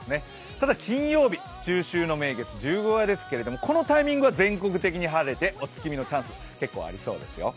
ただ金曜日、中秋の名月、十五夜ですけれどもこのタイミングは全国的に晴れてお月見のチャンス、結構ありそうですよ。